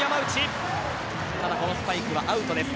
このスパイクはアウトです。